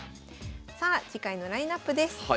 さあ次回のラインナップです。